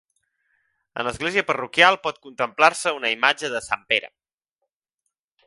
En l'església parroquial pot contemplar-se una imatge de Sant Pere.